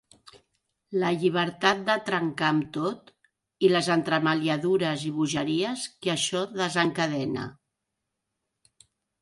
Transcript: La llibertat de trencar amb tot i les entremaliadures i bogeries que això desencadena.